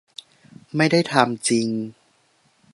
ไม่ได้ทำจริง